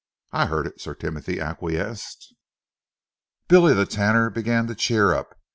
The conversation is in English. "I heard it," Sir Timothy acquiesced. Billy the Tanner began to cheer up.